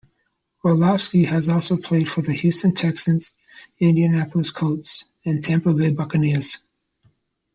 Orlovsky has also played for the Houston Texans, Indianapolis Colts and Tampa Bay Buccaneers.